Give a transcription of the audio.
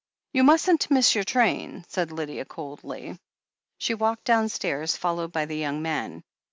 "You mustn't miss your train," said Lydia coldly. She walked downstairs, followed by the yoimg man.